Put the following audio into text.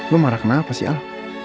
lo marah kenapa sih ah